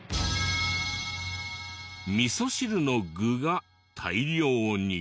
味噌汁の具が大量に。